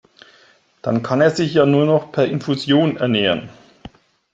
Dann kann er sich ja nur noch per Infusion ernähren.